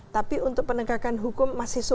tapi untuk penegakan hukum masih so so